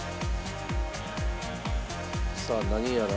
さあ何やら。